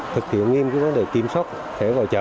thực hiện nghiêm vấn đề kiểm soát thẻ vào chợ